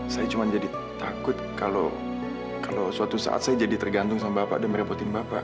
saya cuma jadi takut kalau suatu saat saya jadi tergantung sama bapak dan merepotin bapak